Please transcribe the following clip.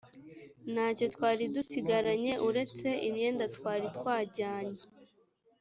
ntacyo twari dusigaranye uretse imyenda twari twajyanye